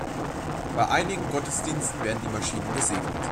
Bei einigen Gottesdiensten werden die Maschinen gesegnet.